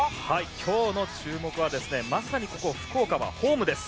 今日の注目はまさにここ福岡はホームです。